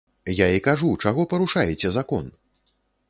Я і кажу, чаго парушаеце закон?!